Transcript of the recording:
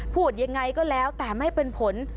พูดยังไงก็แล้วแต่ไม่เป็นผล